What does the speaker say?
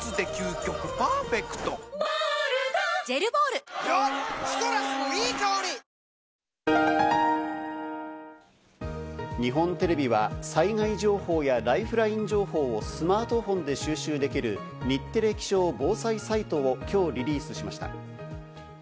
「ロキソニンＳプレミアムファイン」ピンポーン日本テレビは災害情報やライフライン情報をスマートフォンで収集できる「日テレ気象・防災サイト」をきょうリリースしました。